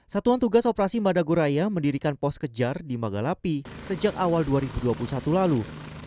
satuan tugas operasi madagoraya mendirikan pos kejar di magalapi sejak awal dua ribu dua puluh satu lalu